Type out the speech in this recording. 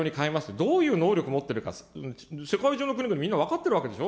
どういう能力持ってるか、世界中の国々、みんな分かってるわけでしょ。